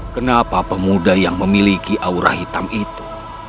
kenapa pemuda yang memiliki aura hitam itu